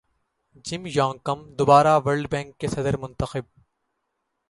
جم Yong Kim دوبارہ World Bank کے صدر منتخب